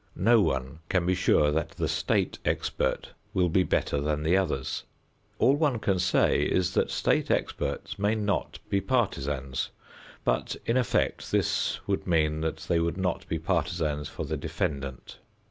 No one can be sure that the state expert will be better than the others. All one can say is that state experts may not be partisans, but, in effect, this would mean that they would not be partisans for the defendant.